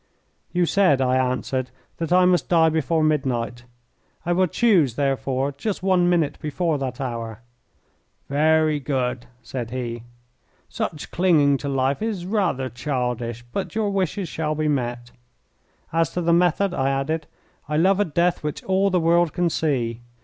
"You said," I answered, "that I must die before midnight. I will choose, therefore, just one minute before that hour." "Very good," said he. "Such clinging to life is rather childish, but your wishes shall be met." "As to the method," I added, "I love a death which all the world can see.